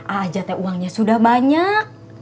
a'ajatnya uangnya sudah banyak